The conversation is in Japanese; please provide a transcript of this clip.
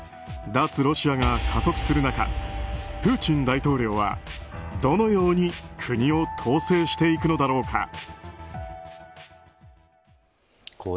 脱ロシアが加速する中プーチン大統領はどのように国を統制していくのだろうか。